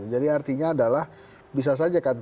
jadi artinya adalah bisa saja kan